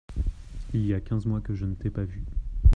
Il y a quinze mois que je ne t’ai pas vu.